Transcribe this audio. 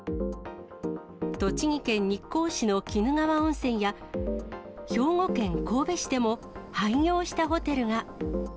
栃木県日光市の鬼怒川温泉や、兵庫県神戸市でも、廃業したホテルが。